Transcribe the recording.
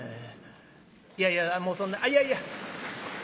いやいやもうそんなあっいやいや。